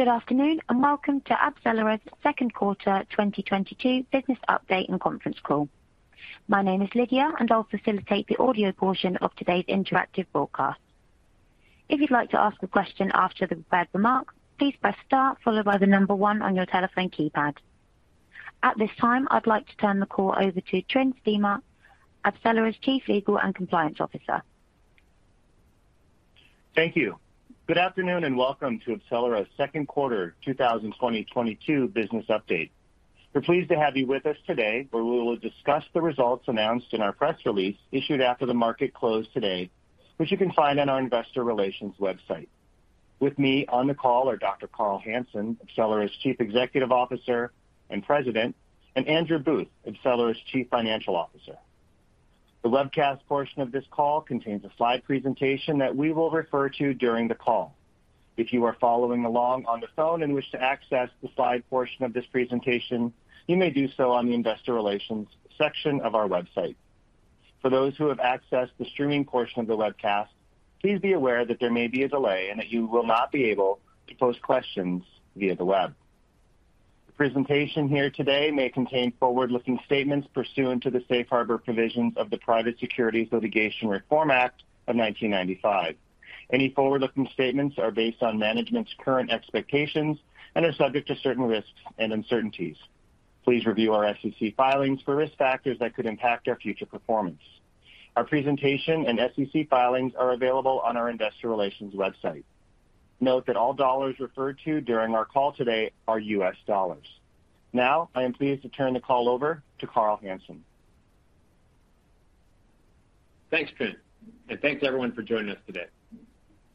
Good afternoon, and welcome to AbCellera's second quarter 2022 business update and conference call. My name is Lydia, and I'll facilitate the audio portion of today's interactive broadcast. If you'd like to ask a question after the prepared remarks, please press star followed by the number 1 on your telephone keypad. At this time, I'd like to turn the call over to Tryn Stimart, AbCellera's Chief Legal and Compliance Officer. Thank you. Good afternoon, and welcome to AbCellera's second quarter 2022 business update. We're pleased to have you with us today, where we will discuss the results announced in our press release issued after the market closed today, which you can find on our investor relations website. With me on the call are Dr. Carl Hansen, AbCellera's Chief Executive Officer and President, and Andrew Booth, AbCellera's Chief Financial Officer. The webcast portion of this call contains a slide presentation that we will refer to during the call. If you are following along on the phone and wish to access the slide portion of this presentation, you may do so on the investor relations section of our website. For those who have accessed the streaming portion of the webcast, please be aware that there may be a delay and that you will not be able to pose questions via the web. The presentation here today may contain forward-looking statements pursuant to the safe harbor provisions of the Private Securities Litigation Reform Act of 1995. Any forward-looking statements are based on management's current expectations and are subject to certain risks and uncertainties. Please review our SEC filings for risk factors that could impact our future performance. Our presentation and SEC filings are available on our investor relations website. Note that all dollars referred to during our call today are US dollars. Now, I am pleased to turn the call over to Carl Hansen. Thanks, Tryn Stimart, and thanks everyone for joining us today.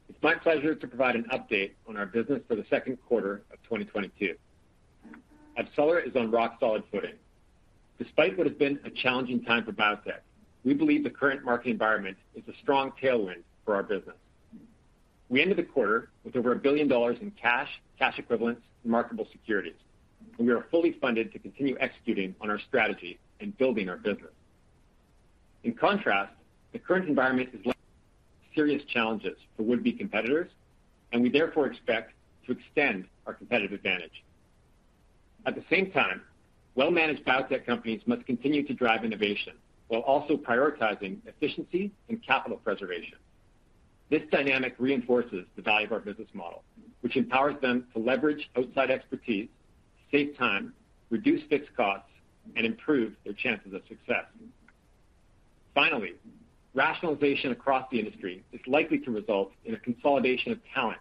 It's my pleasure to provide an update on our business for the second quarter of 2022. AbCellera is on rock-solid footing. Despite what has been a challenging time for biotech, we believe the current market environment is a strong tailwind for our business. We ended the quarter with over a billion dollars in cash equivalents, and marketable securities, and we are fully funded to continue executing on our strategy and building our business. In contrast, the current environment poses serious challenges for would-be competitors, and we therefore expect to extend our competitive advantage. At the same time, well-managed biotech companies must continue to drive innovation while also prioritizing efficiency and capital preservation. This dynamic reinforces the value of our business model, which empowers them to leverage outside expertise, save time, reduce fixed costs, and improve their chances of success. Finally, rationalization across the industry is likely to result in a consolidation of talent,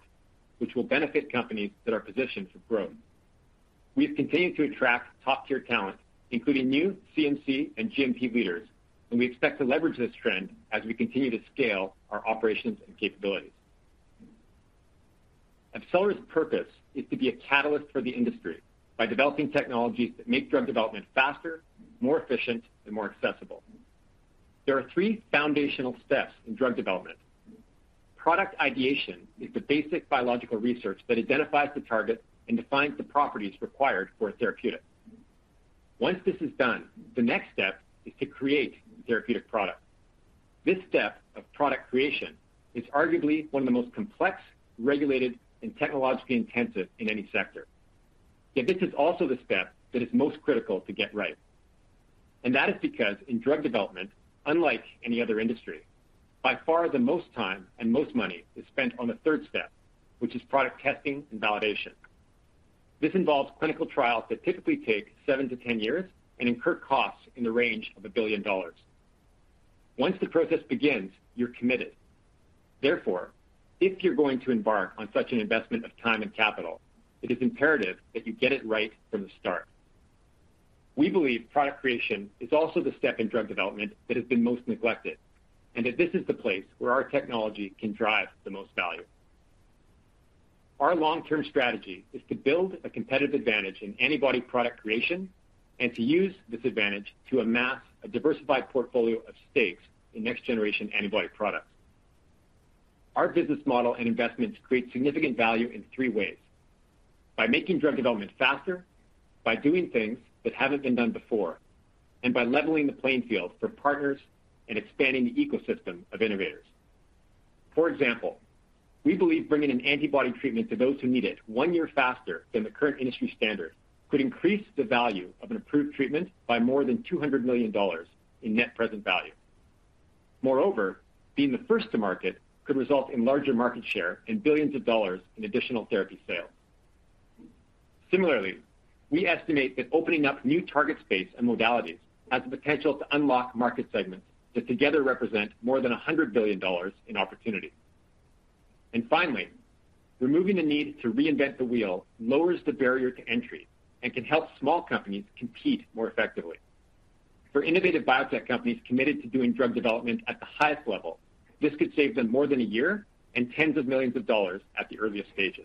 which will benefit companies that are positioned for growth. We've continued to attract top-tier talent, including new CMC and GMP leaders, and we expect to leverage this trend as we continue to scale our operations and capabilities. AbCellera's purpose is to be a catalyst for the industry by developing technologies that make drug development faster, more efficient and more accessible. There are three foundational steps in drug development. Product ideation is the basic biological research that identifies the target and defines the properties required for a therapeutic. Once this is done, the next step is to create the therapeutic product. This step of product creation is arguably one of the most complex, regulated, and technologically intensive in any sector. Yet this is also the step that is most critical to get right, and that is because in drug development, unlike any other industry, by far the most time and most money is spent on the third step, which is product testing and validation. This involves clinical trials that typically take seven-10 years and incur costs in the range of a billion dollars. Once the process begins, you're committed. Therefore, if you're going to embark on such an investment of time and capital, it is imperative that you get it right from the start. We believe product creation is also the step-in drug development that has been most neglected, and that this is the place where our technology can drive the most value. Our long-term strategy is to build a competitive advantage in antibody product creation and to use this advantage to amass a diversified portfolio of stakes in next-generation antibody products. Our business model and investments create significant value in three ways, by making drug development faster, by doing things that haven't been done before, and by leveling the playing field for partners and expanding the ecosystem of innovators. For example, we believe bringing an antibody treatment to those who need it one year faster than the current industry standard could increase the value of an approved treatment by more than $200 million in net present value. Moreover, being the first to market could result in larger market share and billions of dollars in additional therapy sales. Similarly, we estimate that opening up new target space and modalities has the potential to unlock market segments that together represent more than $100 billion in opportunity. Finally, removing the need to reinvent the wheel lowers the barrier to entry and can help small companies compete more effectively. For innovative biotech companies committed to doing drug development at the highest level, this could save them more than a year and tens of millions of dollars at the earliest stages.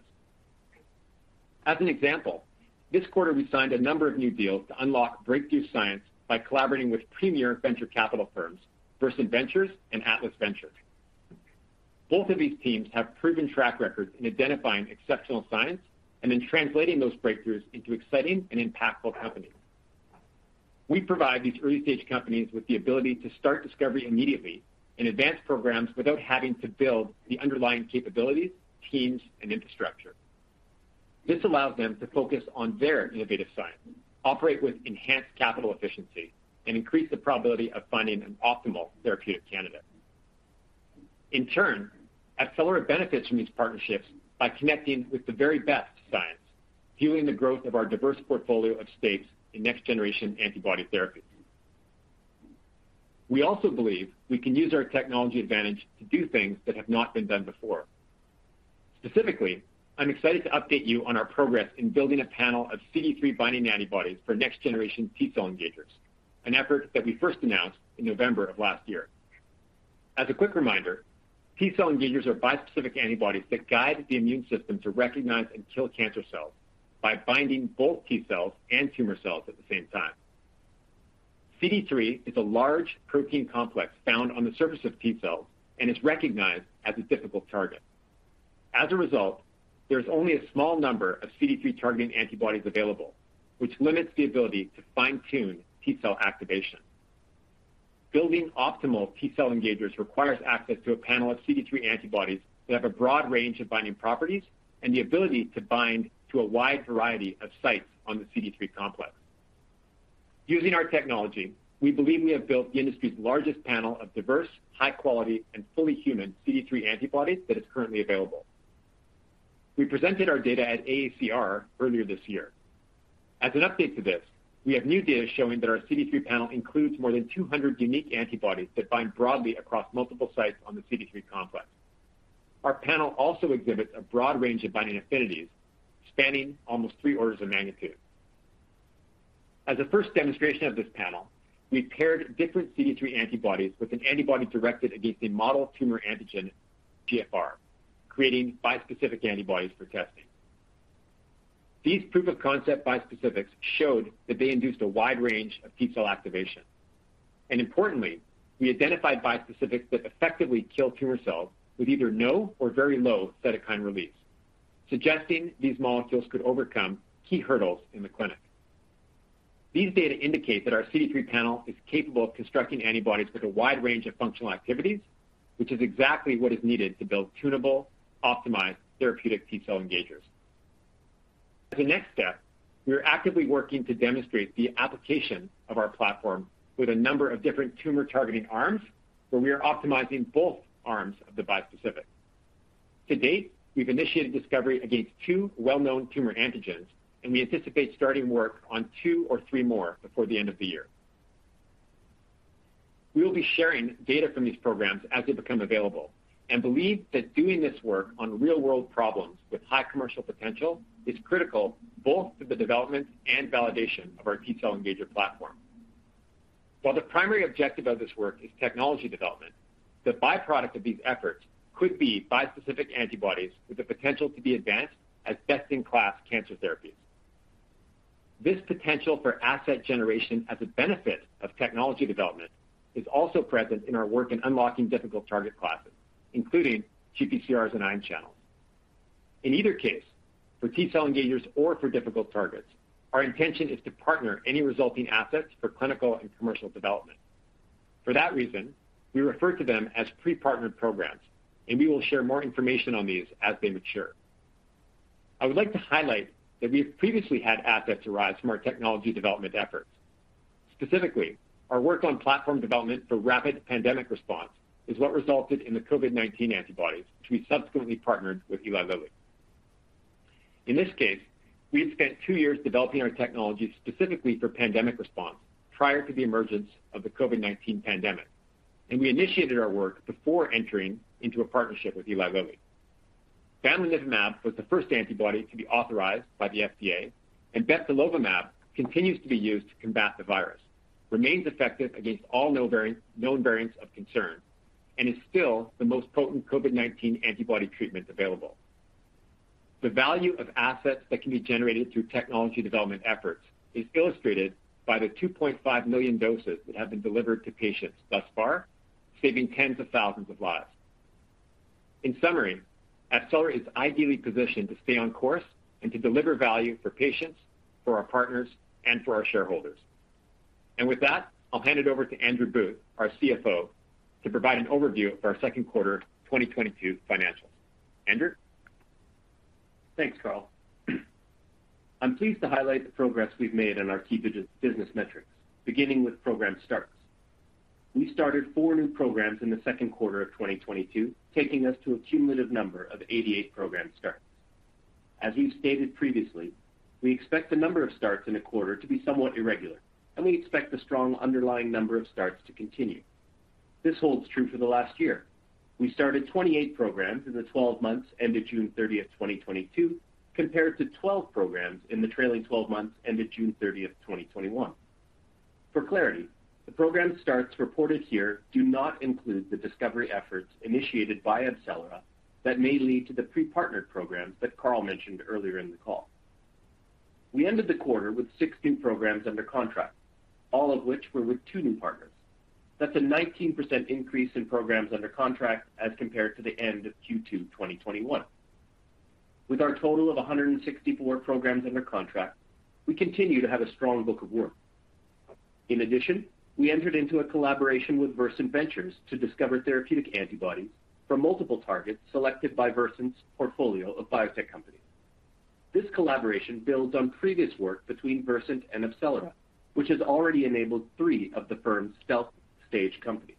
As an example, this quarter we signed a number of new deals to unlock breakthrough science by collaborating with premier venture capital firms, Versant Ventures and Atlas Venture. Both of these teams have proven track records in identifying exceptional science and in translating those breakthroughs into exciting and impactful companies. We provide these early-stage companies with the ability to start discovery immediately and advance programs without having to build the underlying capabilities, teams, and infrastructure. This allows them to focus on their innovative science, operate with enhanced capital efficiency, and increase the probability of finding an optimal therapeutic candidate. In turn, AbCellera benefits from these partnerships by connecting with the very best science, fueling the growth of our diverse portfolio of assets in next-generation antibody therapies. We also believe we can use our technology advantage to do things that have not been done before. Specifically, I'm excited to update you on our progress in building a panel of CD3-binding antibodies for next-generation T-cell engagers, an effort that we first announced in November of last year. As a quick reminder, T-cell engagers are bispecific antibodies that guide the immune system to recognize and kill cancer cells by binding both T-cells and tumor cells at the same time. CD3 is a large protein complex found on the surface of T-cells and is recognized as a difficult target. As a result, there's only a small number of CD3-targeting antibodies available, which limits the ability to fine-tune T-cell activation. Building optimal T-cell engagers requires access to a panel of CD3 antibodies that have a broad range of binding properties and the ability to bind to a wide variety of sites on the CD3 complex. Using our technology, we believe we have built the industry's largest panel of diverse, high-quality, and fully human CD3 antibodies that is currently available. We presented our data at AACR earlier this year. As an update to this, we have new data showing that our CD3 panel includes more than 200 unique antibodies that bind broadly across multiple sites on the CD3 complex. Our panel also exhibits a broad range of binding affinities spanning almost three orders of magnitude. As a first demonstration of this panel, we paired different CD3 antibodies with an antibody directed against a model tumor antigen GFR, creating bispecific antibodies for testing. These proof-of-concept bispecifics showed that they induced a wide range of T-cell activation. Importantly, we identified bispecifics that effectively kill tumor cells with either no or very low cytokine release, suggesting these molecules could overcome key hurdles in the clinic. These data indicate that our CD3 panel is capable of constructing antibodies with a wide range of functional activities, which is exactly what is needed to build tunable, optimized therapeutic T-cell engagers. As a next step, we are actively working to demonstrate the application of our platform with a number of different tumor-targeting arms, where we are optimizing both arms of the bispecific. To date, we've initiated discovery against two well-known tumor antigens, and we anticipate starting work on two or three more before the end of the year. We will be sharing data from these programs as they become available and believe that doing this work on real-world problems with high commercial potential is critical both to the development and validation of our T-cell engager platform. While the primary objective of this work is technology development, the byproduct of these efforts could be bispecific antibodies with the potential to be advanced as best-in-class cancer therapies. This potential for asset generation as a benefit of technology development is also present in our work in unlocking difficult target classes, including GPCRs and ion channels. In either case, for T-cell engagers or for difficult targets, our intention is to partner any resulting assets for clinical and commercial development. For that reason, we refer to them as pre-partnered programs, and we will share more information on these as they mature. I would like to highlight that we have previously had assets arise from our technology development efforts. Specifically, our work on platform development for rapid pandemic response is what resulted in the COVID-19 antibodies, which we subsequently partnered with Eli Lilly. In this case, we had spent two years developing our technology specifically for pandemic response prior to the emergence of the COVID-19 pandemic, and we initiated our work before entering into a partnership with Eli Lilly. Bamlanivimab was the first antibody to be authorized by the FDA, and Bebtelovimab continues to be used to combat the virus, remains effective against all known variants of concern, and is still the most potent COVID-19 antibody treatment available. The value of assets that can be generated through technology development efforts is illustrated by the 2.5 million doses that have been delivered to patients thus far, saving tens of thousands of lives. In summary, AbCellera is ideally positioned to stay on course and to deliver value for patients, for our partners, and for our shareholders. With that, I'll hand it over to Andrew Booth, our CFO, to provide an overview of our second quarter 2022 financials. Andrew? Thanks, Carl. I'm pleased to highlight the progress we've made on our key business metrics, beginning with program starts. We started four new programs in the second quarter of 2022, taking us to a cumulative number of 88 program starts. As we've stated previously, we expect the number of starts in a quarter to be somewhat irregular, and we expect the strong underlying number of starts to continue. This holds true for the last year. We started 28 programs in the 12 months ended June 30, 2022, compared to 12 programs in the trailing twelve months ended June 30, 2021. For clarity, the program starts reported here do not include the discovery efforts initiated by AbCellera that may lead to the pre-partnered programs that Carl mentioned earlier in the call. We ended the quarter with 16 programs under contract, all of which were with two new partners. That's a 19% increase in programs under contract as compared to the end of Q2 2021. With our total of 164 programs under contract, we continue to have a strong book of work. In addition, we entered into a collaboration with Versant Ventures to discover therapeutic antibodies for multiple targets selected by Versant's portfolio of biotech companies. This collaboration builds on previous work between Versant and AbCellera, which has already enabled three of the firm's stealth stage companies.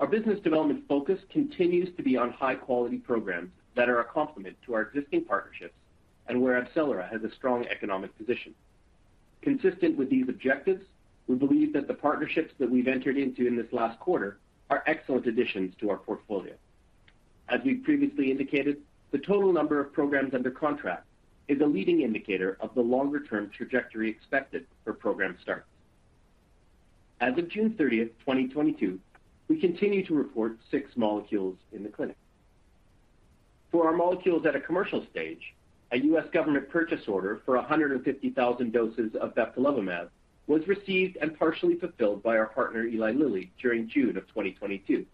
Our business development focus continues to be on high-quality programs that are a complement to our existing partnerships and where AbCellera has a strong economic position. Consistent with these objectives, we believe that the partnerships that we've entered into in this last quarter are excellent additions to our portfolio. As we've previously indicated, the total number of programs under contract is a leading indicator of the longer-term trajectory expected for program starts. As of June 30, 2022, we continue to report six molecules in the clinic. For our molecules at a commercial stage, a U.S. government purchase order for 150,000 doses of Bebtelovimab was received and partially fulfilled by our partner, Eli Lilly, during June 2022.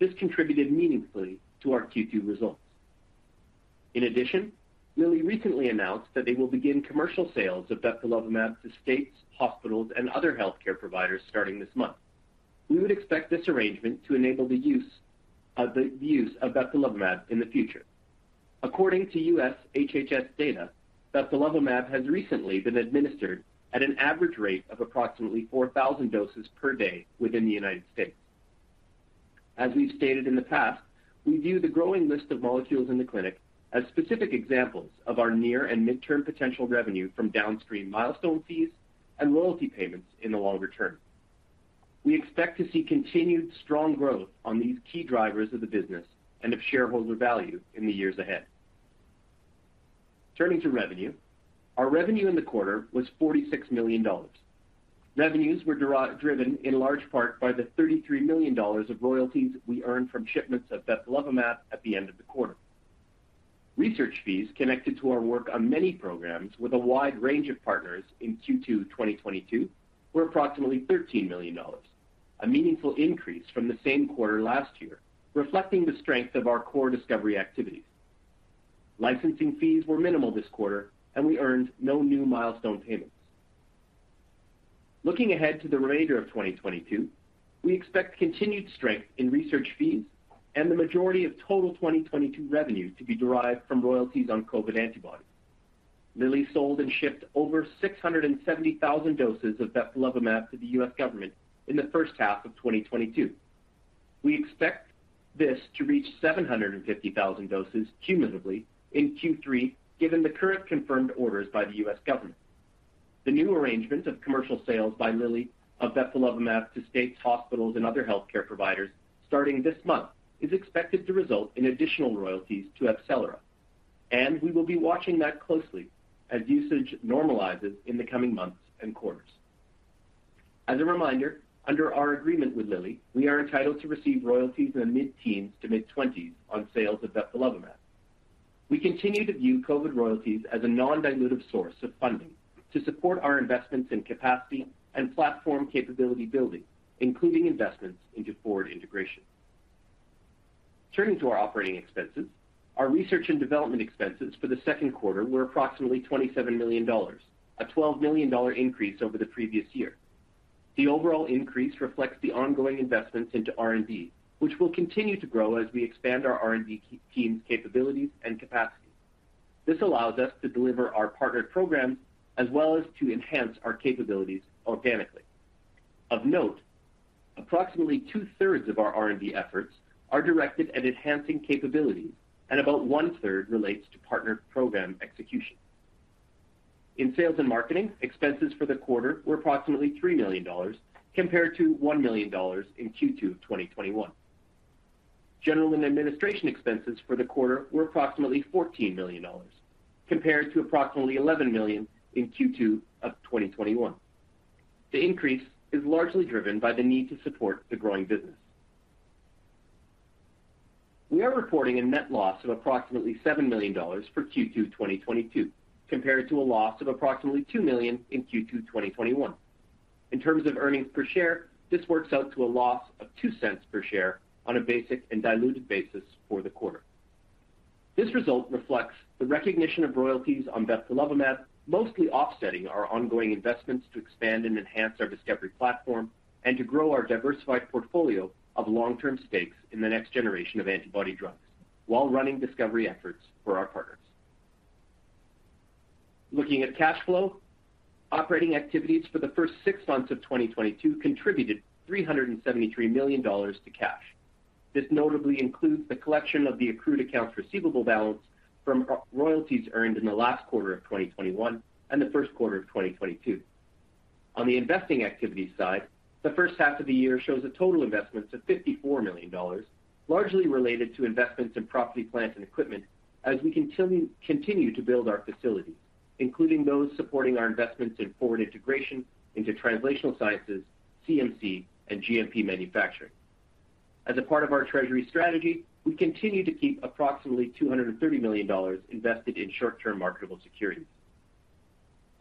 This contributed meaningfully to our Q2 results. In addition, Lilly recently announced that they will begin commercial sales of Bebtelovimab to states, hospitals, and other healthcare providers starting this month. We would expect this arrangement to enable the use of Bebtelovimab in the future. According to U.S. HHS data, Bebtelovimab has recently been administered at an average rate of approximately 4,000 doses per day within the United States. As we've stated in the past, we view the growing list of molecules in the clinic as specific examples of our near and mid-term potential revenue from downstream milestone fees and royalty payments in the longer term. We expect to see continued strong growth on these key drivers of the business and of shareholder value in the years ahead. Turning to revenue. Our revenue in the quarter was $46 million. Revenues were driven in large part by the $33 million of royalties we earned from shipments of Bebtelovimab at the end of the quarter. Research fees connected to our work on many programs with a wide range of partners in Q2 2022 were approximately $13 million, a meaningful increase from the same quarter last year, reflecting the strength of our core discovery activities. Licensing fees were minimal this quarter, and we earned no new milestone payments. Looking ahead to the remainder of 2022, we expect continued strength in research fees and the majority of total 2022 revenue to be derived from royalties on COVID antibodies. Lilly sold and shipped over 670,000 doses of Bebtelovimab to the U.S. government in the first half of 2022. We expect this to reach 750,000 doses cumulatively in Q3, given the current confirmed orders by the U.S. government. The new arrangement of commercial sales by Lilly of Bebtelovimab to states, hospitals, and other healthcare providers starting this month, is expected to result in additional royalties to AbCellera, and we will be watching that closely as usage normalizes in the coming months and quarters. As a reminder, under our agreement with Lilly, we are entitled to receive royalties in the mid-teens to mid-twenties on sales of Bebtelovimab. We continue to view COVID royalties as a non-dilutive source of funding to support our investments in capacity and platform capability building, including investments into forward integration. Turning to our operating expenses. Our research and development expenses for the second quarter were approximately $27 million, a $12 million increase over the previous year. The overall increase reflects the ongoing investments into R&D, which will continue to grow as we expand our R&D team's capabilities and capacity. This allows us to deliver our partnered programs as well as to enhance our capabilities organically. Of note, approximately 2/3rds of our R&D efforts are directed at enhancing capabilities, and about 1/3rd relates to partnered program execution. In sales and marketing, expenses for the quarter were approximately $3 million, compared to $1 million in Q2 of 2021. General and administration expenses for the quarter were approximately $14 million, compared to approximately $11 million in Q2 of 2021. The increase is largely driven by the need to support the growing business. We are reporting a net loss of approximately $7 million for Q2 2022, compared to a loss of approximately $2 million in Q2 of 2021. In terms of earnings per share, this works out to a loss of $0.02 per share on a basic and diluted basis for the quarter. This result reflects the recognition of royalties on Bebtelovimab, mostly offsetting our ongoing investments to expand and enhance our discovery platform and to grow our diversified portfolio of long-term stakes in the next generation of antibody drugs while running discovery efforts for our partners. Looking at cash flow. Operating activities for the first six months of 2022 contributed $373 million to cash. This notably includes the collection of the accrued accounts receivable balance from our royalties earned in the last quarter of 2021 and the first quarter of 2022. On the investing activity side, the first half of the year shows a total investment of $54 million, largely related to investments in property, plant, and equipment as we continue to build our facilities, including those supporting our investments in forward integration into translational sciences, CMC, and GMP manufacturing. As a part of our treasury strategy, we continue to keep approximately $230 million invested in short-term marketable securities.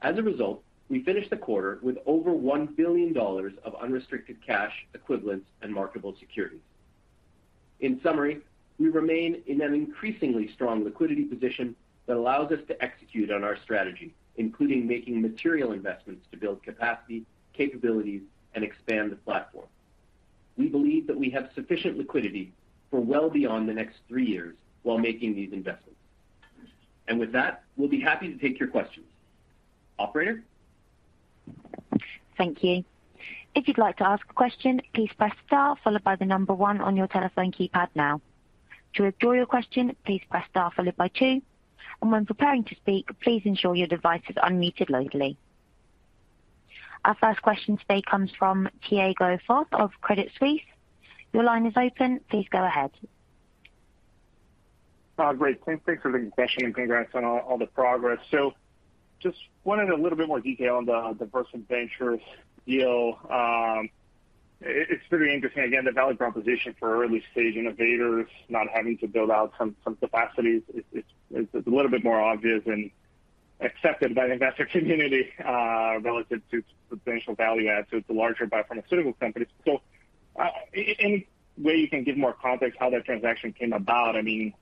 As a result, we finished the quarter with over $1 billion of unrestricted cash equivalents and marketable securities. In summary, we remain in an increasingly strong liquidity position that allows us to execute on our strategy, including making material investments to build capacity, capabilities, and expand the platform. We believe that we have sufficient liquidity for well beyond the next three years while making these investments. With that, we'll be happy to take your questions. Operator? Thank you. If you'd like to ask a question, please press star followed by the number one on your telephone keypad now. To withdraw your question, please press star followed by two, and when preparing to speak, please ensure your device is unmuted locally. Our first question today comes from Tiago Fauth of Credit Suisse. Your line is open. Please go ahead. Great. Thanks for the question, and congrats on all the progress. Just wanted a little bit more detail on the Versant Ventures deal. It's pretty interesting. Again, the value proposition for early-stage innovators not having to build out some capacities is a little bit more obvious and accepted by the investor community, relative to substantial value add to the larger biopharmaceutical companies. Any way you can give more context how that transaction came about? I mean,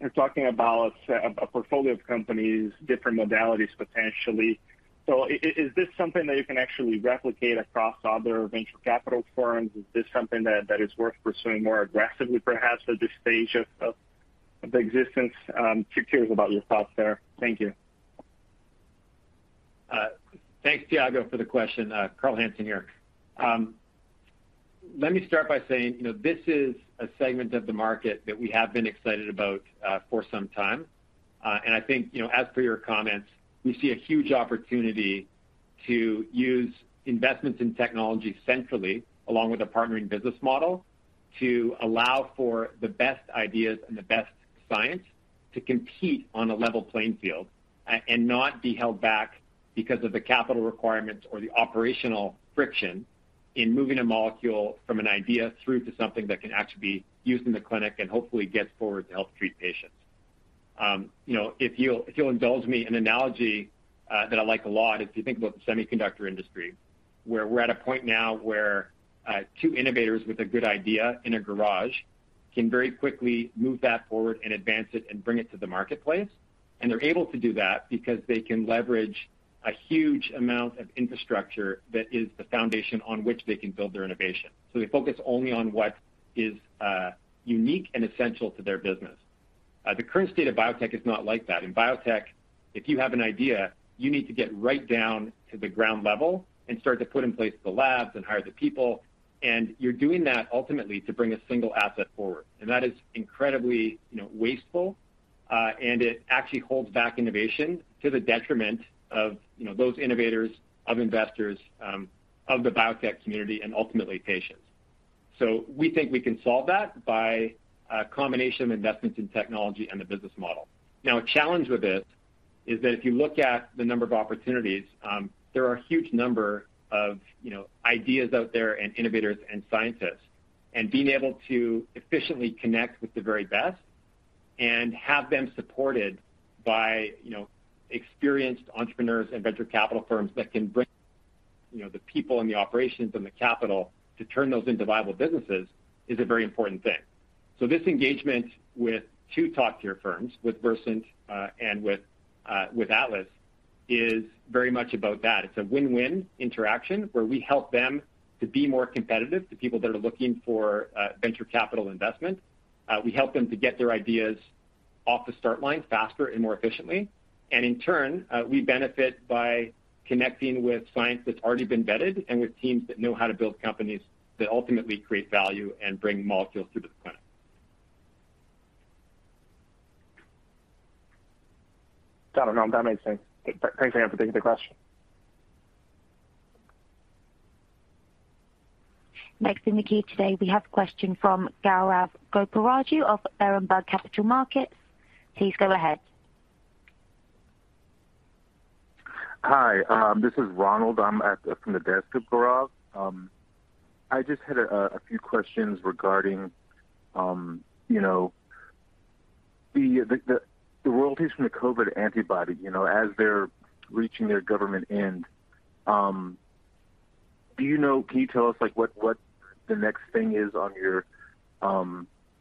you're talking about a portfolio of companies, different modalities potentially. Is this something that you can actually replicate across other venture capital firms? Is this something that is worth pursuing more aggressively, perhaps, at this stage of the existence? Curious about your thoughts there. Thank you. Thanks, Tiago, for the question. Carl Hansen here. Let me start by saying, you know, this is a segment of the market that we have been excited about, for some time. I think, you know, as per your comments, we see a huge opportunity to use investments in technology centrally, along with a partnering business model, to allow for the best ideas and the best science to compete on a level playing field and not be held back because of the capital requirements or the operational friction in moving a molecule from an idea through to something that can actually be used in the clinic and hopefully gets forward to help treat patients. You know, if you'll indulge me, an analogy that I like a lot, if you think about the semiconductor industry, where we're at a point now where two innovators with a good idea in a garage can very quickly move that forward and advance it and bring it to the marketplace, and they're able to do that because they can leverage a huge amount of infrastructure that is the foundation on which they can build their innovation. They focus only on what is unique and essential to their business. The current state of biotech is not like that. In biotech, if you have an idea, you need to get right down to the ground level and start to put in place the labs and hire the people, and you're doing that ultimately to bring a single asset forward. That is incredibly, you know, wasteful, and it actually holds back innovation to the detriment of, you know, those innovators, of investors, of the biotech community and ultimately patients. We think we can solve that by a combination of investments in technology and the business model. Now, a challenge with this is that if you look at the number of opportunities, there are a huge number of, you know, ideas out there and innovators and scientists, and being able to efficiently connect with the very best and have them supported by, you know, experienced entrepreneurs and venture capital firms that can bring, you know, the people and the operations and the capital to turn those into viable businesses is a very important thing. This engagement with two top-tier firms, with Versant, and with Atlas, is very much about that. It's a win-win interaction where we help them to be more competitive to people that are looking for venture capital investment. We help them to get their ideas off the start line faster and more efficiently. In turn, we benefit by connecting with science that's already been vetted and with teams that know how to build companies that ultimately create value and bring molecules to the clinic. Got it. No, that makes sense. Thanks again for taking the question. Next in the queue today, we have a question from Gaurav Goparaju of Berenberg Capital Markets. Please go ahead. Hi. This is Ronald from the desk of Gaurav. I just had a few questions regarding, you know, the royalties from the COVID antibody, you know, as they're reaching their government end. Can you tell us, like, what the next thing is on your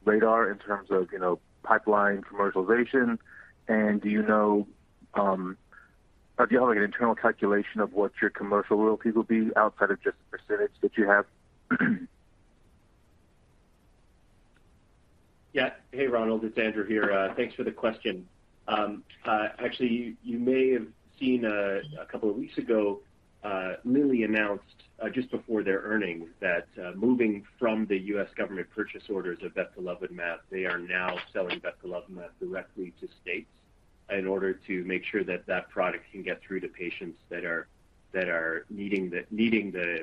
radar in terms of, you know, pipeline commercialization? Do you have, like, an internal calculation of what your commercial royalties will be outside of just the percentage that you have? Yeah. Hey, Ronald. It's Andrew here. Thanks for the question. Actually, you may have seen a couple of weeks ago, Eli Lilly announced just before their earnings that moving from the U.S. government purchase orders of Bebtelovimab, they are now selling Bebtelovimab directly to states in order to make sure that that product can get through to patients that are needing the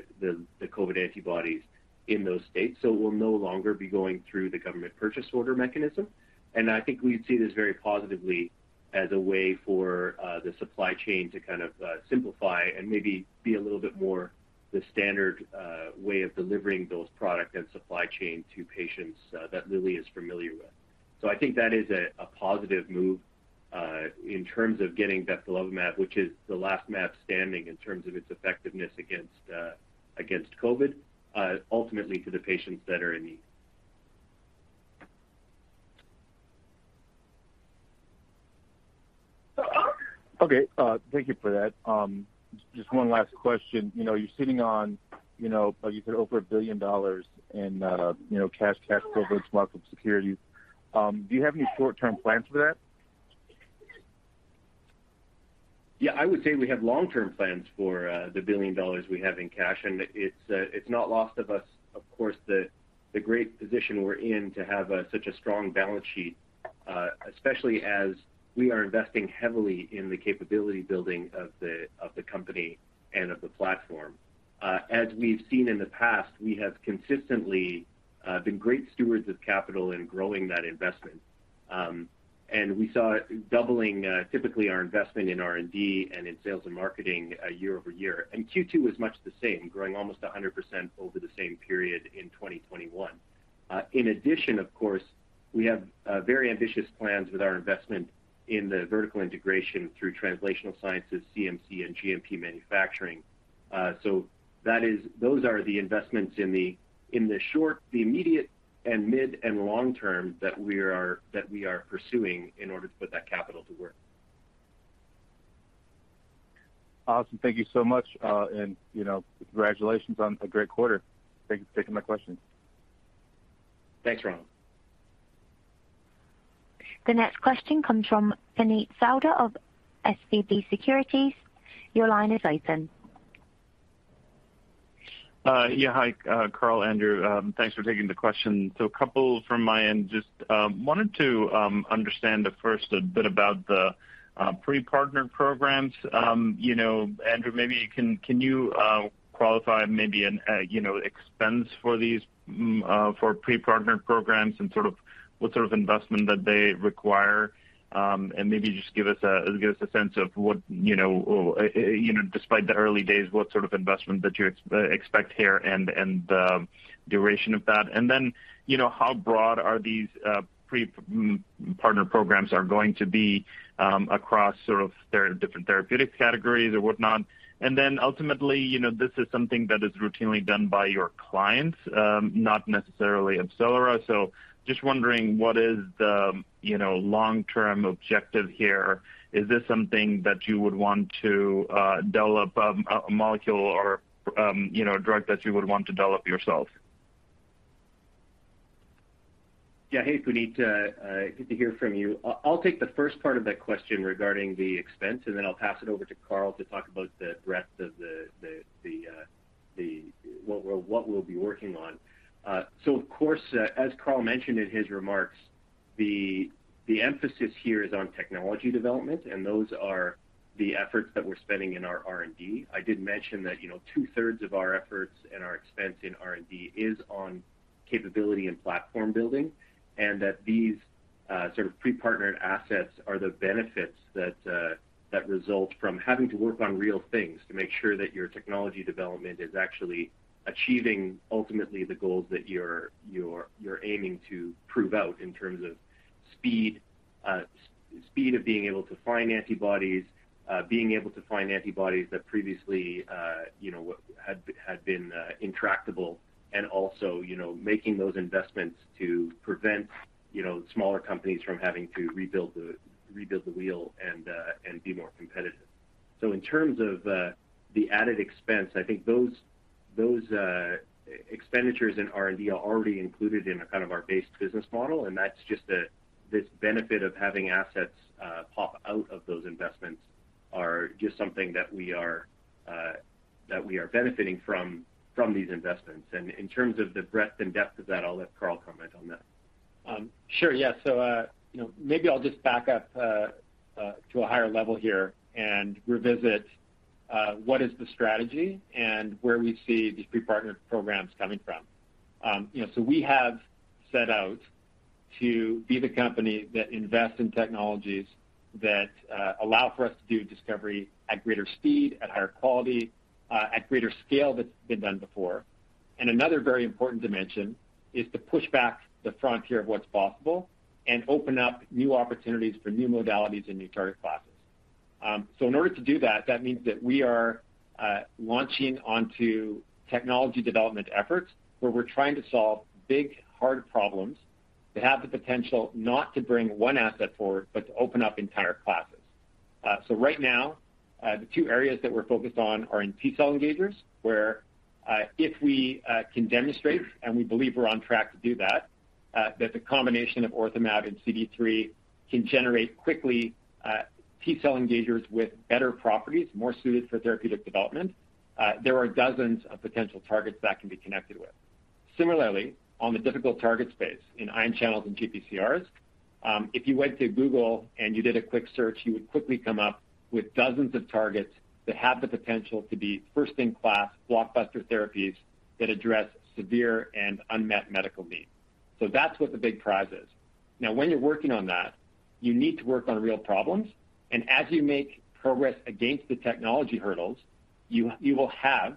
COVID antibodies in those states. We'll no longer be going through the government purchase order mechanism. I think we see this very positively as a way for the supply chain to kind of simplify and maybe be a little bit more the standard way of delivering those product and supply chain to patients that Eli Lilly is familiar with. I think that is a positive move in terms of getting Bebtelovimab, which is the last mab standing in terms of its effectiveness against COVID ultimately to the patients that are in need. Okay. Thank you for that. Just one last question. You know, you're sitting on, you know, like you said, over $1 billion in cash equivalents, market securities. Do you have any short-term plans for that? Yeah. I would say we have long-term plans for the billion dollars we have in cash, and it's not lost on us, of course, the great position we're in to have such a strong balance sheet, especially as we are investing heavily in the capability building of the company and of the platform. As we've seen in the past, we have consistently been great stewards of capital in growing that investment. We saw doubling, typically, our investment in R&D and in sales and marketing year-over-year. Q2 was much the same, growing almost 100% over the same period in 2021. In addition, of course, we have very ambitious plans with our investment in the vertical integration through translational sciences, CMC, and GMP manufacturing. That is. Those are the investments in the short, the immediate, and mid and long term that we are pursuing in order to put that capital to work. Awesome. Thank you so much. You know, congratulations on a great quarter. Thank you for taking my questions. Thanks, Ronald. The next question comes from Puneet Souda of SVB Securities. Your line is open. Hi, Carl, Andrew. Thanks for taking the question. A couple from my end. Just wanted to understand a bit about the pre-partnered programs. You know, Andrew, maybe can you qualify maybe an expense for these for pre-partnered programs and sort of what sort of investment that they require? Maybe just give us a sense of what, you know, despite the early days, what sort of investment that you expect here and duration of that. You know, how broad are these pre-partner programs going to be across sort of different therapeutic categories or whatnot. Ultimately, you know, this is something that is routinely done by your clients, not necessarily AbCellera. Just wondering what is the, you know, long-term objective here. Is this something that you would want to develop a molecule or, you know, a drug that you would want to develop yourself? Yeah. Hey, Puneet. Good to hear from you. I'll take the first part of that question regarding the expense, and then I'll pass it over to Carl to talk about the rest of the what we'll be working on. Of course, as Carl mentioned in his remarks, the emphasis here is on technology development, and those are the efforts that we're spending in our R&D. I did mention that, you know, two-thirds of our efforts and our expense in R&D is on capability and platform building, and that these sort of pre-partnered assets are the benefits that result from having to work on real things to make sure that your technology development is actually achieving ultimately the goals that you're aiming to prove out in terms of speed of being able to find antibodies, being able to find antibodies that previously, you know, had been intractable, and also, you know, making those investments to prevent, you know, smaller companies from having to rebuild the wheel and be more competitive. In terms of the added expense, I think those expenditures in R&D are already included in our base business model, and that's just this benefit of having assets pop out of those investments are just something that we are benefiting from these investments. In terms of the breadth and depth of that, I'll let Carl comment on that. Sure, yeah. You know, maybe I'll just back up to a higher level here and revisit what is the strategy and where we see these pre-partnered programs coming from. You know, we have set out to be the company that invests in technologies that allow for us to do discovery at greater speed, at higher quality, at greater scale that's been done before. Another very important dimension is to push back the frontier of what's possible and open up new opportunities for new modalities and new target classes. In order to do that means that we are launching onto technology development efforts where we're trying to solve big, hard problems that have the potential not to bring one asset forward, but to open up entire classes. Right now, the two areas that we're focused on are in T-cell engagers, where if we can demonstrate, and we believe we're on track to do that the combination of OrthoMab and CD3 can generate quickly T-cell engagers with better properties, more suited for therapeutic development. There are dozens of potential targets that can be connected with. Similarly, on the difficult target space in ion channels and GPCRs, if you went to Google and you did a quick search, you would quickly come up with dozens of targets that have the potential to be first-in-class blockbuster therapies that address severe and unmet medical needs. That's what the big prize is. Now, when you're working on that. You need to work on real problems, and as you make progress against the technology hurdles, you will have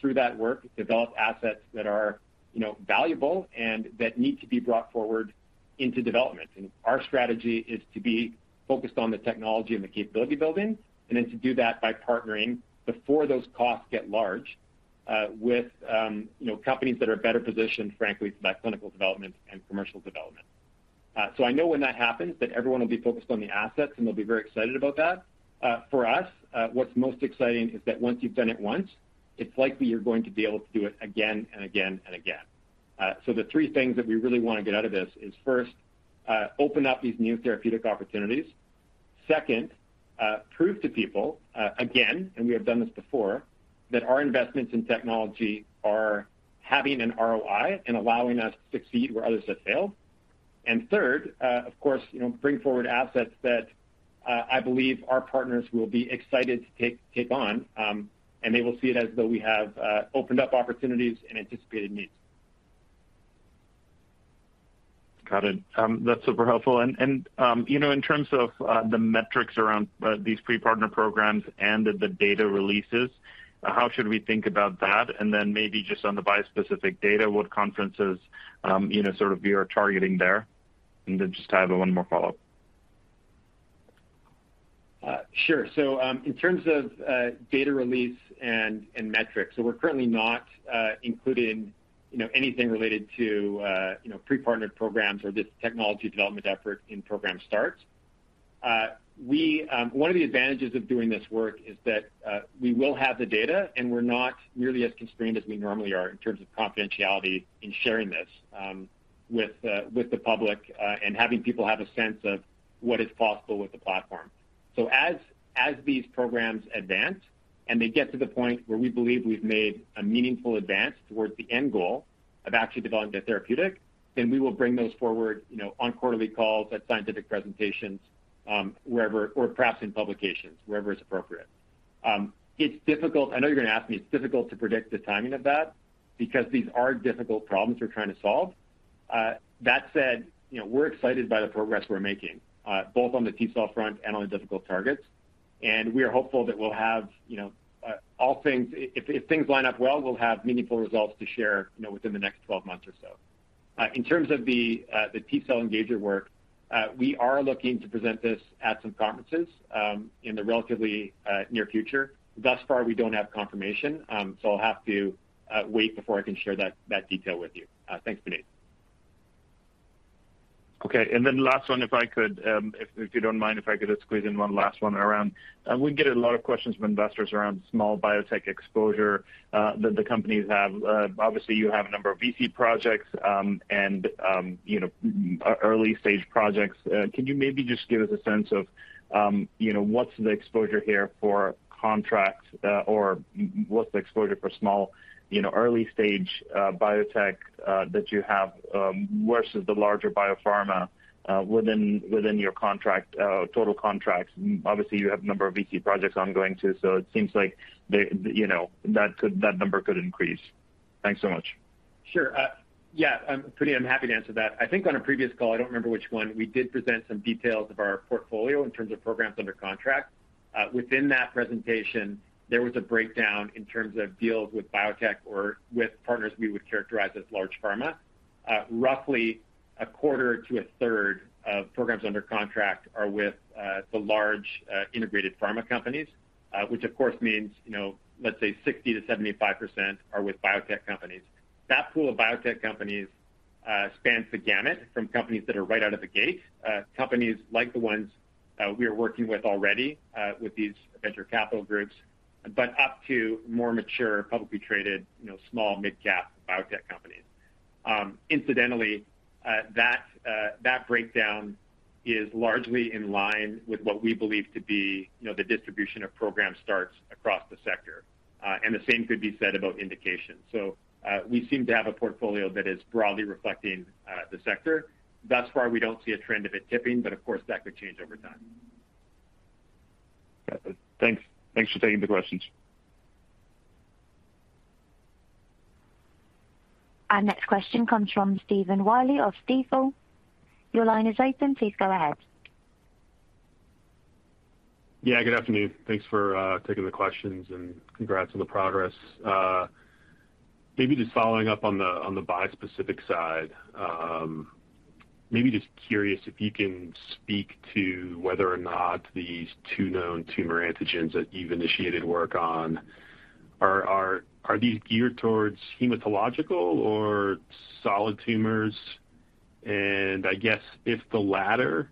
through that work developed assets that are, you know, valuable and that need to be brought forward into development. Our strategy is to be focused on the technology and the capability building, and then to do that by partnering before those costs get large with you know companies that are better positioned, frankly, to do that clinical development and commercial development. I know when that happens that everyone will be focused on the assets, and they'll be very excited about that. For us, what's most exciting is that once you've done it once, it's likely you're going to be able to do it again and again and again. The three things that we really want to get out of this is, first, open up these new therapeutic opportunities. Second, prove to people, again, and we have done this before, that our investments in technology are having an ROI and allowing us to succeed where others have failed. Third, of course, you know, bring forward assets that I believe our partners will be excited to take on, and they will see it as though we have opened up opportunities in anticipated needs. Got it. That's super helpful. You know, in terms of the metrics around these pre-partner programs and the data releases, how should we think about that? Maybe just on the bispecific data, what conferences you know, sort of you are targeting there? Just to have one more follow-up. Sure. In terms of data release and metrics. We're currently not including, you know, anything related to, you know, pre-partnered programs or this technology development effort in program starts. One of the advantages of doing this work is that we will have the data, and we're not nearly as constrained as we normally are in terms of confidentiality in sharing this with the public and having people have a sense of what is possible with the platform. As these programs advance and they get to the point where we believe we've made a meaningful advance towards the end goal of actually developing a therapeutic, then we will bring those forward, you know, on quarterly calls, at scientific presentations, wherever, or perhaps in publications, wherever is appropriate. It's difficult. I know you're going to ask me. It's difficult to predict the timing of that because these are difficult problems we're trying to solve. That said, you know, we're excited by the progress we're making, both on the T-cell front and on the difficult targets. We are hopeful that we'll have, you know, if things line up well, we'll have meaningful results to share, you know, within the next 12 months or so. In terms of the T-cell engager work, we are looking to present this at some conferences, in the relatively near future. Thus far, we don't have confirmation, so I'll have to wait before I can share that detail with you. Thanks, Puneet. Okay. Then last one, if I could, if you don't mind, if I could just squeeze in one last one around. We get a lot of questions from investors around small biotech exposure that the companies have. Obviously, you have a number of VC projects, and, you know, early-stage projects. Can you maybe just give us a sense of, you know, what's the exposure here for contracts, or what's the exposure for small, you know, early stage, biotech that you have, versus the larger biopharma, within your contract, total contracts? Obviously, you have a number of VC projects ongoing too. It seems like the, you know, that could-- that number could increase. Thanks so much. Sure. Yeah, I'm happy to answer that. I think on a previous call, I don't remember which one, we did present some details of our portfolio in terms of programs under contract. Within that presentation, there was a breakdown in terms of deals with biotech or with partners we would characterize as large pharma. Roughly a quarter to a third of programs under contract are with the large integrated pharma companies, which of course means, you know, let's say 60%-75% are with biotech companies. That pool of biotech companies spans the gamut from companies that are right out of the gate, companies like the ones we are working with already, with these venture capital groups, but up to more mature, publicly traded, you know, small mid-cap biotech companies. Incidentally, that breakdown is largely in line with what we believe to be, you know, the distribution of program starts across the sector. The same could be said about indications. We seem to have a portfolio that is broadly reflecting the sector. Thus far, we don't see a trend of it tipping, but of course, that could change over time. Got it. Thanks. Thanks for taking the questions. Our next question comes from Stephen Willey of Stifel. Your line is open. Please go ahead. Yeah, good afternoon. Thanks for taking the questions, and congrats on the progress. Maybe just following up on the bispecific side, maybe just curious if you can speak to whether or not these two known tumor antigens that you've initiated work on are these geared towards hematological or solid tumors? I guess if the latter,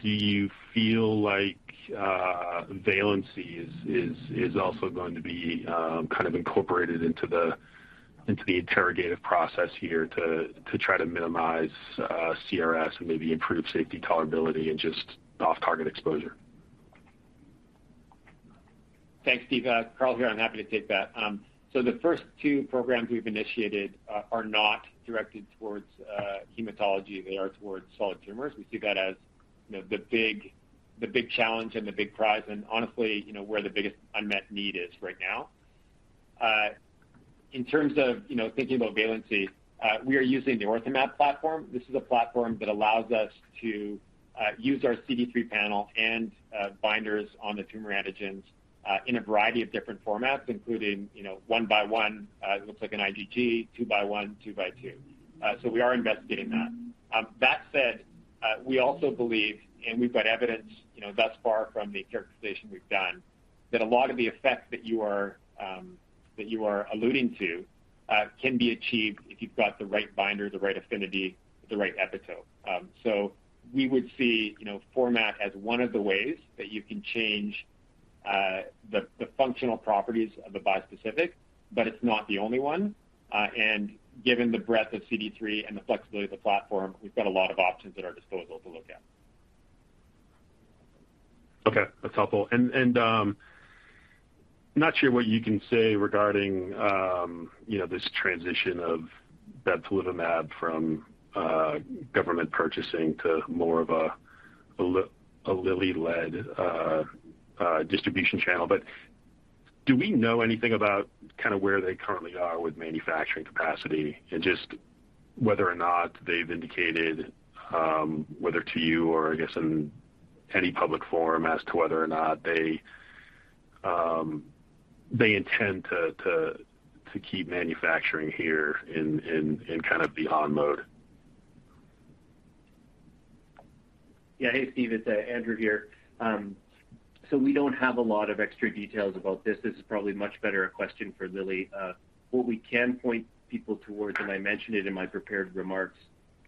do you feel like valency is also going to be kind of incorporated into the iterative process here to try to minimize CRS and maybe improve safety tolerability and just off-target exposure? Thanks, Stephen. Carl here. I'm happy to take that. The first two programs we've initiated are not directed towards hematology. They are towards solid tumors. We see that as, you know, the big challenge and the big prize and honestly, you know, where the biggest unmet need is right now. In terms of, you know, thinking about valency, we are using the OrthoMab platform. This is a platform that allows us to use our CD3 panel and binders on the tumor antigens in a variety of different formats, including, you know, one-by-onw, it looks like an IgG, two-by-one, two-by-two. We are investigating that. That said, we also believe, and we've got evidence, you know, thus far from the characterization we've done, that a lot of the effects that you are alluding to can be achieved if you've got the right binder, the right affinity, the right epitope. We would see, you know, format as one of the ways that you can change the functional properties of the bispecific, but it's not the only one. Given the breadth of CD3 and the flexibility of the platform, we've got a lot of options at our disposal to look at. Okay, that's helpful. Not sure what you can say regarding, you know, this transition of Bebtelovimab from government purchasing to more of a Lilly-led distribution channel. Do we know anything about kinda where they currently are with manufacturing capacity and just whether or not they've indicated whether to you or I guess in any public forum as to whether or not they intend to keep manufacturing here in kind of the on mode? Yeah. Hey, Steve, it's Andrew here. We don't have a lot of extra details about this. This is probably much better a question for Lilly. What we can point people towards, and I mentioned it in my prepared remarks,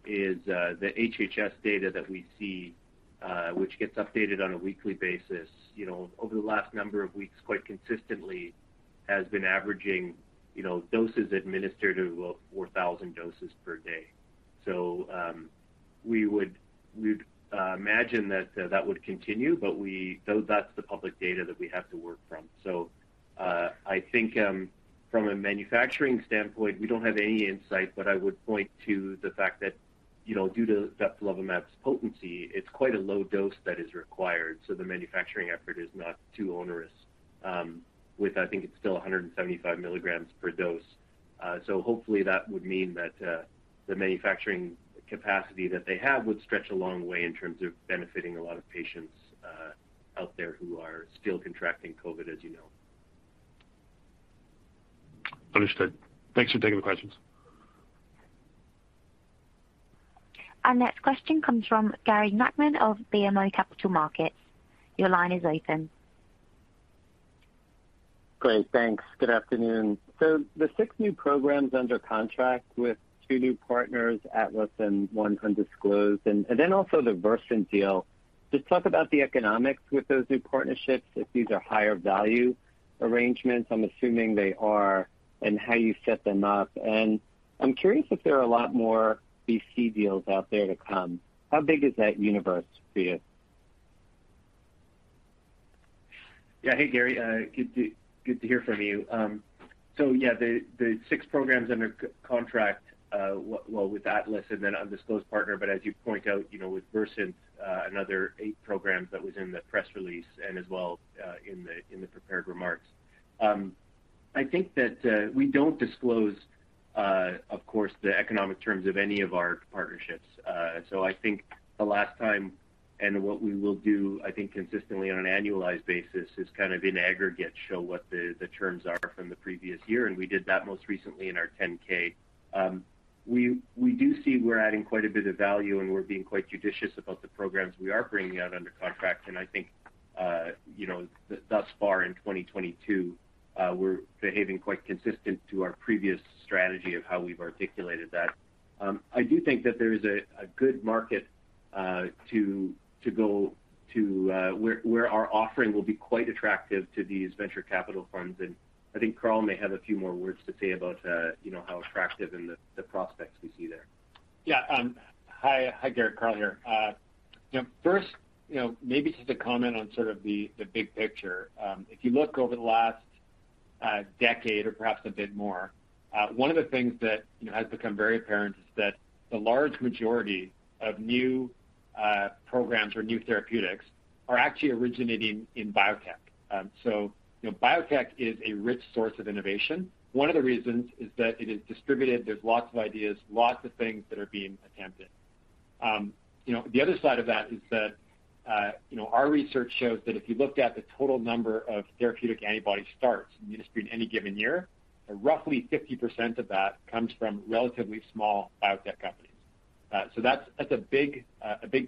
is the HHS data that we see, which gets updated on a weekly basis, you know, over the last number of weeks, quite consistently has been averaging, you know, doses administered of 4,000 doses per day. We would imagine that would continue. That's the public data that we have to work from. I think, from a manufacturing standpoint, we don't have any insight, but I would point to the fact that, you know, due to Bebtelovimab's potency, it's quite a low dose that is required, so the manufacturing effort is not too onerous, with I think it's still 175 milligrams per dose. Hopefully that would mean that the manufacturing capacity that they have would stretch a long way in terms of benefiting a lot of patients out there who are still contracting COVID, as you know. Understood. Thanks for taking the questions. Our next question comes from Gary Nachman of BMO Capital Markets. Your line is open. Great. Thanks. Good afternoon. The six new programs under contract with two new partners, Atlas and one undisclosed, and then also the Versant deal. Just talk about the economics with those new partnerships, if these are higher value arrangements, I'm assuming they are, and how you set them up. I'm curious if there are a lot more BC deals out there to come. How big is that universe for you? Yeah. Hey, Gary. Good to hear from you. So yeah, the six programs under contract, well, with Atlas and then undisclosed partner, but as you point out, you know, with Versant, another eight programs that was in the press release and as well in the prepared remarks. I think that we don't disclose, of course, the economic terms of any of our partnerships. So I think the last time and what we will do, I think consistently on an annualized basis, is kind of in aggregate show what the terms are from the previous year, and we did that most recently in our 10-K. We do see we're adding quite a bit of value, and we're being quite judicious about the programs we are bringing out under contract. I think, you know, thus far in 2022, we're behaving quite consistent to our previous strategy of how we've articulated that. I do think that there is a good market to go to where our offering will be quite attractive to these venture capital funds. I think Carl may have a few more words to say about, you know, how attractive and the prospects we see there. Hi, Gary. Carl here. You know, first, you know, maybe just to comment on sort of the big picture. If you look over the last decade or perhaps a bit more, one of the things that, you know, has become very apparent is that the large majority of new programs or new therapeutics are actually originating in biotech. You know, biotech is a rich source of innovation. One of the reasons is that it is distributed, there's lots of ideas, lots of things that are being attempted. You know, the other side of that is that, you know, our research shows that if you looked at the total number of therapeutic antibody starts in the industry in any given year, roughly 50% of that comes from relatively small biotech companies. That's a big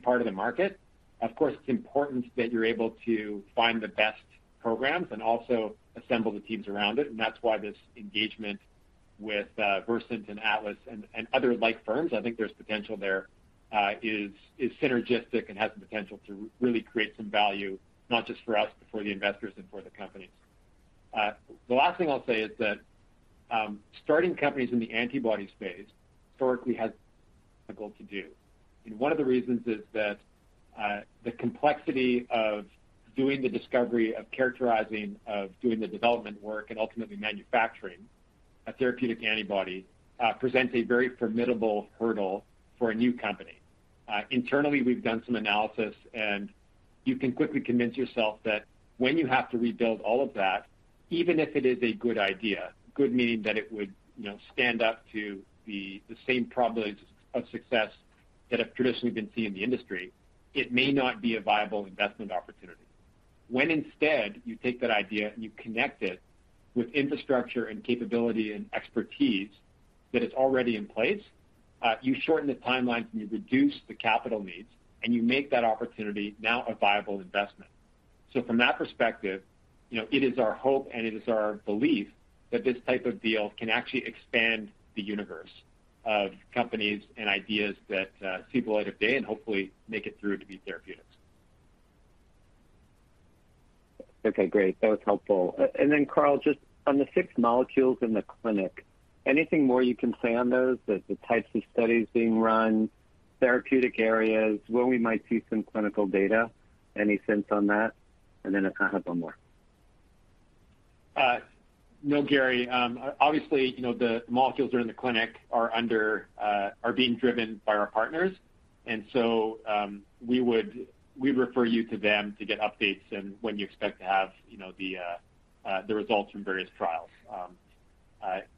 part of the market. Of course, it's important that you're able to find the best programs and also assemble the teams around it, and that's why this engagement with Versant and Atlas and other like firms, I think there's potential there is synergistic and has the potential to really create some value, not just for us, but for the investors and for the companies. The last thing I'll say is that starting companies in the antibody space historically has a goal to do. One of the reasons is that the complexity of doing the discovery, of characterizing, of doing the development work and ultimately manufacturing a therapeutic antibody presents a very formidable hurdle for a new company. Internally, we've done some analysis, and you can quickly convince yourself that when you have to rebuild all of that, even if it is a good idea, good meaning that it would, you know, stand up to the same probabilities of success that have traditionally been seen in the industry, it may not be a viable investment opportunity. When instead, you take that idea and you connect it with infrastructure and capability and expertise that is already in place, you shorten the timeline, and you reduce the capital needs, and you make that opportunity now a viable investment. From that perspective, you know, it is our hope and it is our belief that this type of deal can actually expand the universe of companies and ideas that see the light of day and hopefully make it through to be therapeutics. Okay, great. That was helpful. Carl, just on the six molecules in the clinic, anything more you can say on those, the types of studies being run, therapeutic areas, when we might see some clinical data? Any sense on that? I have one more. No, Gary. Obviously, you know, the molecules that are in the clinic are being driven by our partners. We'd refer you to them to get updates and when you expect to have, you know, the results from various trials.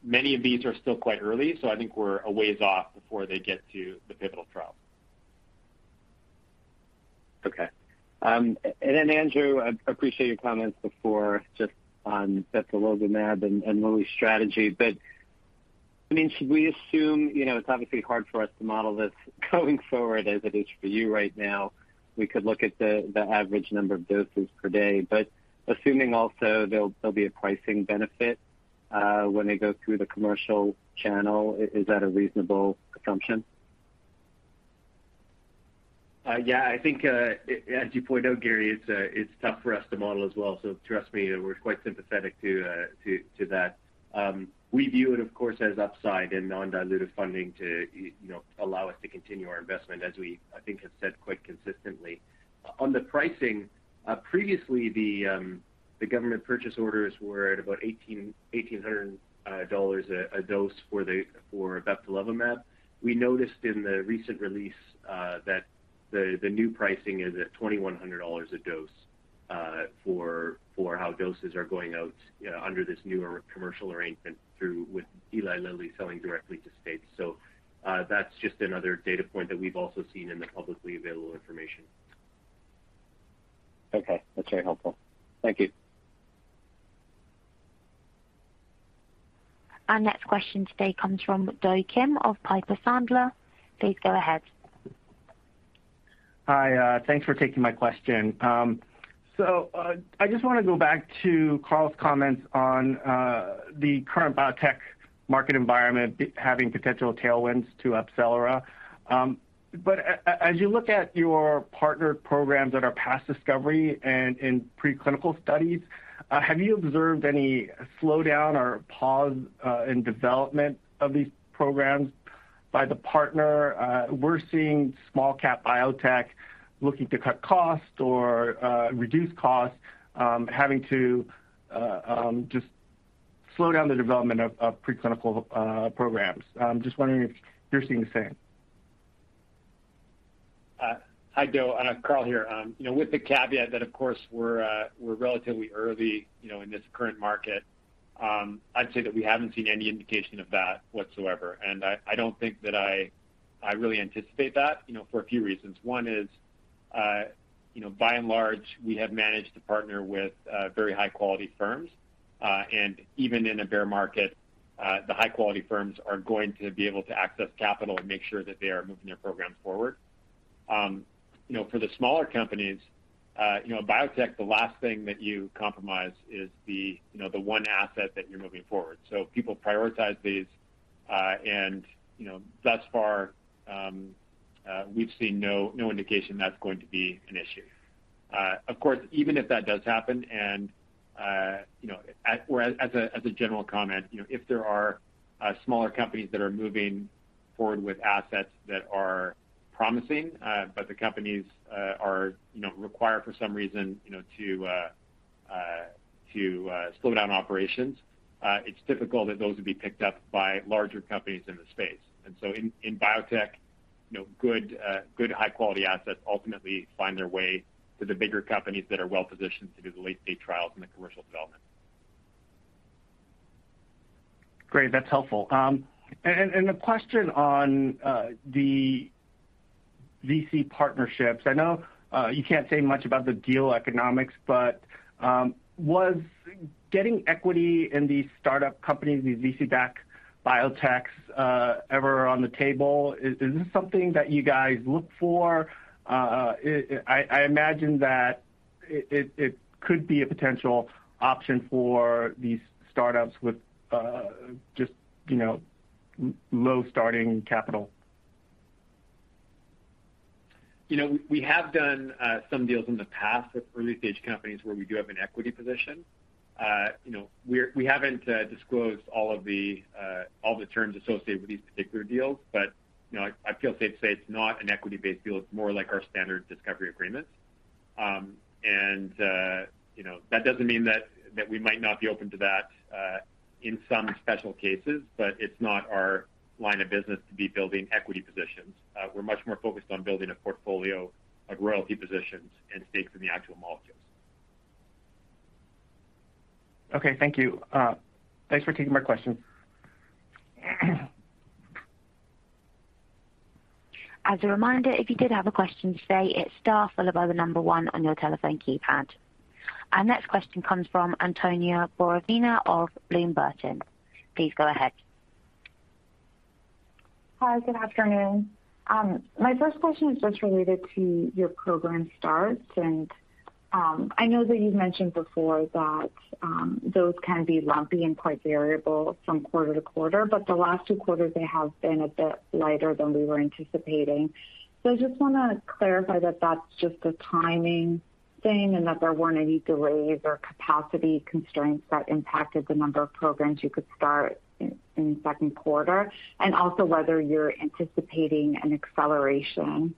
Many of these are still quite early, so I think we're a ways off before they get to the pivotal trial. Okay. Then Andrew, I appreciate your comments before just on Bebtelovimab and Lilly's strategy. I mean, should we assume, you know, it's obviously hard for us to model this going forward as it is for you right now. We could look at the average number of doses per day. Assuming also there'll be a pricing benefit when they go through the commercial channel, is that a reasonable assumption? Yeah. I think, as you point out, Gary, it's tough for us to model as well. Trust me, we're quite sympathetic to that. We view it, of course, as upside and non-dilutive funding to, you know, allow us to continue our investment as we, I think, have said quite consistently. On the pricing, previously the government purchase orders were at about $1,800 a dose for Bebtelovimab. We noticed in the recent release that the new pricing is at $2,100 a dose for how doses are going out under this new commercial arrangement through with Eli Lilly selling directly to states. That's just another data point that we've also seen in the publicly available information. Okay, that's very helpful. Thank you. Our next question today comes from Do Kim of Piper Sandler. Please go ahead. Hi. Thanks for taking my question. So, I just wanna go back to Carl's comments on the current biotech market environment having potential tailwinds to AbCellera. As you look at your partner programs that are past discovery and in preclinical studies, have you observed any slowdown or pause in development of these programs by the partner? We're seeing small cap biotech looking to cut costs or reduce costs, having to just slow down the development of preclinical programs. I'm just wondering if you're seeing the same. Hi, Do. Carl here. You know, with the caveat that, of course, we're relatively early, you know, in this current market, I'd say that we haven't seen any indication of that whatsoever. I don't think that I really anticipate that, you know, for a few reasons. One is, you know, by and large, we have managed to partner with very high-quality firms. Even in a bear market, the high-quality firms are going to be able to access capital and make sure that they are moving their programs forward. You know, for the smaller companies, you know, biotech, the last thing that you compromise is the one asset that you're moving forward. People prioritize these, and, you know, thus far, we've seen no indication that's going to be an issue. Of course, even if that does happen, or as a general comment, you know, if there are smaller companies that are moving forward with assets that are promising, but the companies are, you know, required for some reason, you know, to slow down operations, it's typical that those would be picked up by larger companies in the space. In biotech, you know, good high-quality assets ultimately find their way to the bigger companies that are well-positioned to do the late-stage trials and the commercial development. Great. That's helpful. A question on the VC partnerships. I know you can't say much about the deal economics, but was getting equity in these startup companies, these VC-backed biotechs ever on the table? Is this something that you guys look for? I imagine that it could be a potential option for these startups with just, you know, low starting capital. You know, we have done some deals in the past with early-stage companies where we do have an equity position. You know, we haven't disclosed all the terms associated with these particular deals. You know, I feel safe to say it's not an equity-based deal. It's more like our standard discovery agreements. You know, that doesn't mean that we might not be open to that in some special cases, but it's not our line of business to be building equity positions. We're much more focused on building a portfolio of royalty positions and stakes in the actual molecules. Okay, thank you. Thanks for taking my question. As a reminder, if you did have a question today, it's star followed by the number one on your telephone keypad. Our next question comes from Antonia Borovina of Bloom Burton. Please go ahead. Hi, good afternoon. My first question is just related to your program starts. I know that you've mentioned before that those can be lumpy and quite variable from quarter to quarter, but the last two quarters they have been a bit lighter than we were anticipating. I just want to clarify that that's just a timing thing and that there weren't any delays or capacity constraints that impacted the number of programs you could start in the second quarter, and also whether you're anticipating an acceleration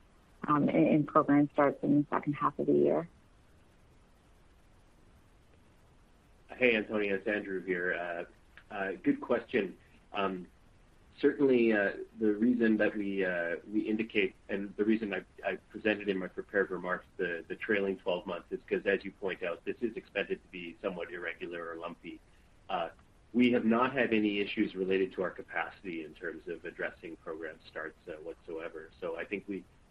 in program starts in the second half of the year. Hey, Antonia, it's Andrew here. Good question. Certainly, the reason that we indicate and the reason I presented in my prepared remarks the trailing 12 months is 'cause as you point out, this is expected to be somewhat irregular or lumpy. We have not had any issues related to our capacity in terms of addressing program starts, whatsoever. I think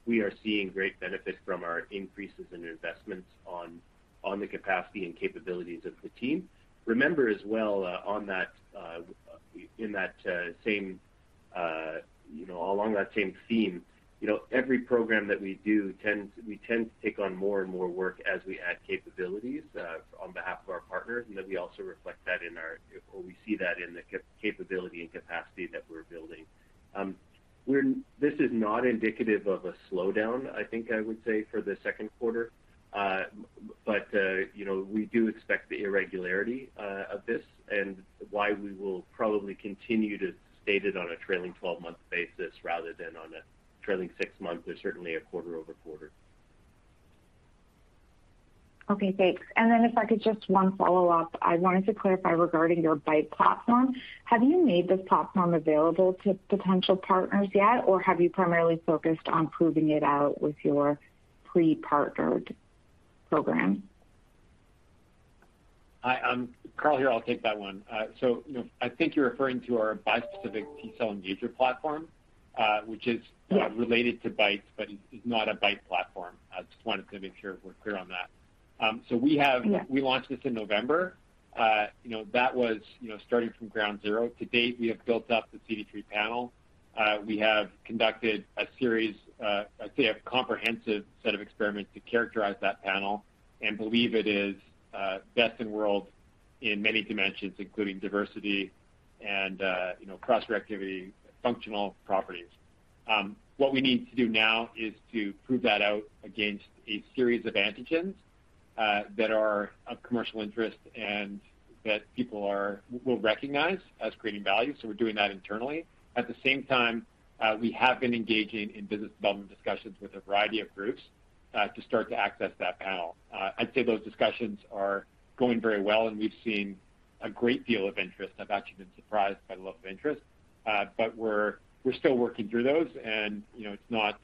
we are seeing great benefit from our increases in investments on the capacity and capabilities of the team. Remember as well, on that, in that same, you know, along that same theme, you know, every program that we do we tend to take on more and more work as we add capabilities on behalf of our partners, and then we also reflect that in our or we see that in the capability and capacity that we're building. This is not indicative of a slowdown, I think I would say, for the second quarter. You know, we do expect the irregularity of this and why we will probably continue to state it on a trailing 12-month basis rather than on a trailing six months or certainly a quarter-over-quarter. Okay, thanks. If I could just one follow-up. I wanted to clarify regarding your BiTE platform. Have you made this platform available to potential partners yet, or have you primarily focused on proving it out with your pre-partnered program? Hi, Carl here. I'll take that one. You know, I think you're referring to our bispecific T-cell engagement platform, which is related to BiTE, but is not a BiTE platform. I just wanted to make sure we're clear on that. We have- Yeah. We launched this in November. You know, that was you know starting from ground zero. To date, we have built up the CD3 panel. We have conducted a series, I'd say a comprehensive set of experiments to characterize that panel and believe it is best in world in many dimensions, including diversity and you know, cross-reactivity, functional properties. What we need to do now is to prove that out against a series of antigens that are of commercial interest and that people will recognize as creating value. We're doing that internally. At the same time, we have been engaging in business development discussions with a variety of groups to start to access that panel. I'd say those discussions are going very well, and we've seen a great deal of interest. I've actually been surprised by the level of interest, but we're still working through those and, you know, it's not.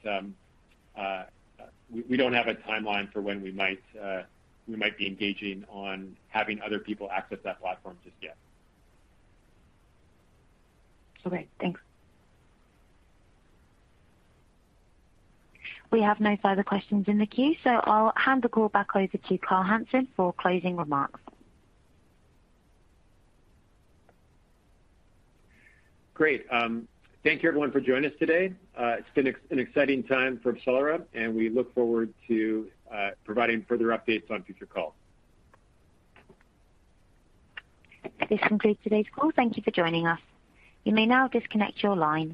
We don't have a timeline for when we might be engaging on having other people access that platform just yet. Okay, thanks. We have no further questions in the queue, so I'll hand the call back over to Carl Hansen for closing remarks. Great. Thank you everyone for joining us today. It's been an exciting time for AbCellera, and we look forward to providing further updates on future calls. This concludes today's call. Thank you for joining us. You may now disconnect your line.